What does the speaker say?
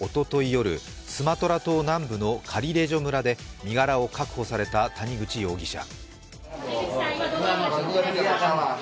夜スマトラ島南部のカリレジョ村で身柄を確保された谷口容疑者。